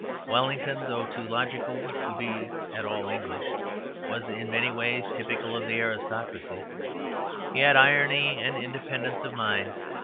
Wellington, though too logical to be at all English, was in many ways typical of the aristocracy; he had irony and independence of mind.